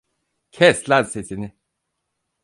Kes lan sesini!